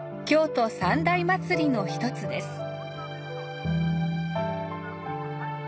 京都三大祭りの１つです。